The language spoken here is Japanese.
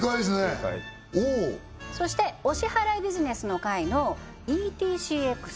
正解そしてお支払いビジネスの回のＥＴＣＸ